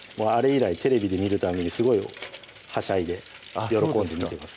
以来テレビで見るたびにすごいはしゃいで喜んで見てます